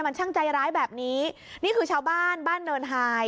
มันช่างใจร้ายแบบนี้นี่คือชาวบ้านบ้านเนินไฮ